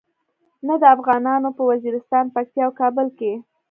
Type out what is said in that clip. نه د افغانانو په وزیرستان، پکتیا او کابل کې.